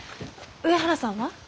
上原さんは？